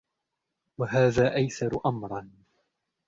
وَهَذَا أَيْسَرُ أَمْرًا